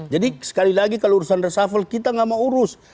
jadi sekali lagi kalau urusan resafel kita nggak mau urus